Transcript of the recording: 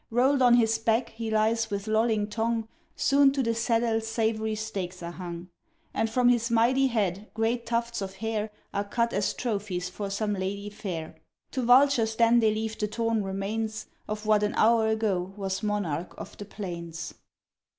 Rolled on his back, he lies with lolling tongue, Soon to the saddle savory steaks are hung. And from his mighty head, great tufts of hair Are cut as trophies for some lady fair. To vultures then they leave the torn remains Of what an hour ago was monarch of the plains.